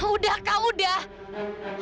udah kak udah